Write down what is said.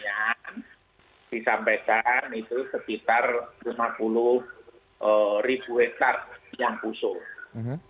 yang disampaikan itu sekitar lima puluh ribu hektare yang pusuh